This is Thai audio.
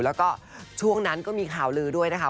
แล้วก็ช่วงนั้นก็มีข่าวลือด้วยนะคะ